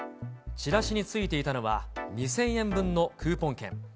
チラシに付いていたのは２０００円分のクーポン券。